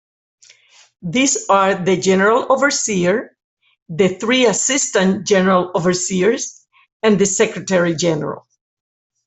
These are the general overseer, the three assistant general overseers, and the secretary general.